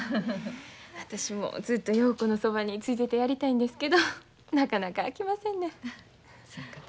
私もずっと陽子のそばについててやりたいんですけどなかなかあきませんねん。